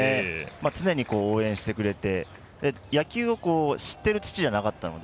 常に応援してくれて野球を知ってる父じゃなかったので。